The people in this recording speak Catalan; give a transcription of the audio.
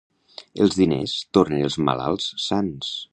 Els diners tornen els malalts sans.